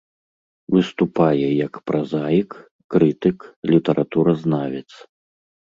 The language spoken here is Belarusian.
Выступае як празаік, крытык, літаратуразнавец.